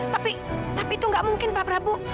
tapi tapi itu nggak mungkin pak prabu